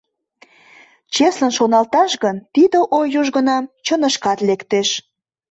Чеслын шоналташ гын, тиде ой южгунам чынышкат лектеш.